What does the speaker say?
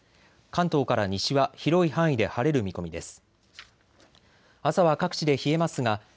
関東から西は広い範囲で晴れる見込みです。